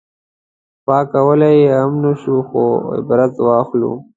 پاک کولی یې هم نه شو خو عبرت واخلو.